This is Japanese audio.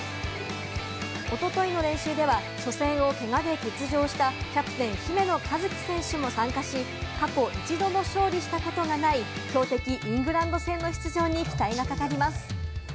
おとといの練習では、初戦を怪我で欠場したキャプテン・姫野和樹選手も参加し、過去、一度も勝利したことがない強敵、イングランド戦の出場に期待がかかります。